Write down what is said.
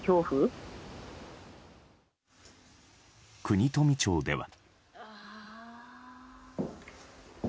国富町では。